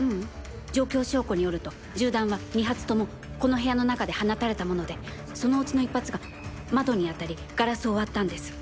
状況証拠によると銃弾は２発ともこの部屋の中で放たれたものでそのうちの１発が窓に当たりガラスを割ったんです。